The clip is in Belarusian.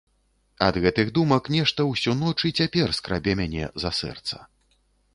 Ад гэтых думак нешта ўсю ноч і цяпер скрабе мяне за сэрца.